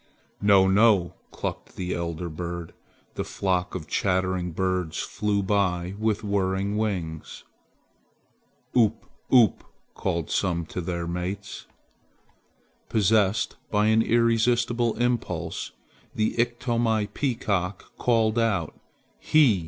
"No, no!" clucked the elder bird. The flock of chattering birds flew by with whirring wings. "Oop! oop!" called some to their mates. Possessed by an irrepressible impulse the Iktomi peacock called out, "He!